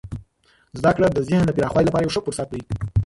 زده کړه د ذهن د پراخوالي لپاره یو ښه فرصت دی.